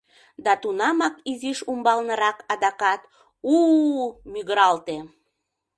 Да тунамак изиш умбалнырак адакат «У-у-у!» мӱгыралте.